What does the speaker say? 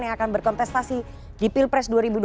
yang akan berkontestasi di pilpres dua ribu dua puluh